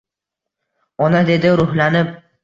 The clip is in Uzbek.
Ona dedi ruhlanib